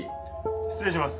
失礼します。